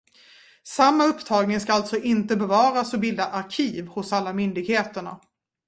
Samma upptagning ska alltså inte bevaras och bilda arkiv hos alla myndigheterna.